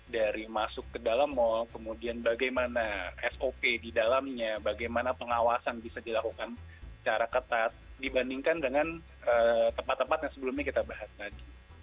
dari masuk ke dalam mall kemudian bagaimana sop di dalamnya bagaimana pengawasan bisa dilakukan secara ketat dibandingkan dengan tempat tempat yang sebelumnya kita bahas tadi